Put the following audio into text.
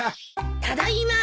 ただいま！